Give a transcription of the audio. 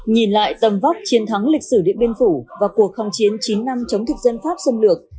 nhìn lại tầm vóc chiến thắng lịch sử điện biên phủ và cuộc kháng chiến chín năm chống thực dân pháp xâm lược